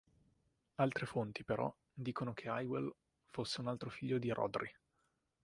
Altre fonti, però, dicono che Hywel fosse un altro figlio di Rhodri.